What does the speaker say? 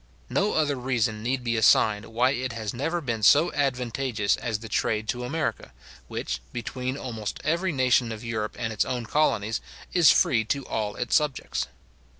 No other reason need be assigned why it has never been so advantageous as the trade to America, which, between almost every nation of Europe and its own colonies, is free to all its subjects.